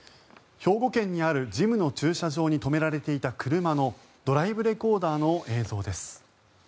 兵庫県にあるジムの駐車場に止められていた車のドライブレコーダーの映像です。